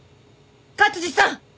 勝治さん！